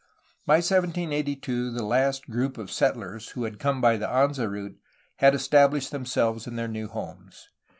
By 1782 the last group of settlers who had come by the Anza route had estabhshed themselves in their new homes.